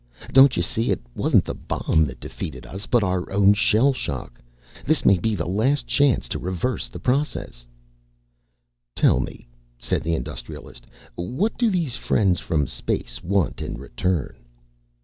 Don't you see? It wasn't the bomb that defeated us, but our own shell shock. This may be the last chance to reverse the process." "Tell me," said the Industrialist, "what do these friends from space want in return?"